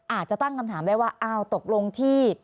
อาจจะตั้งคำถามได้ว่าอ้าวตกลงที่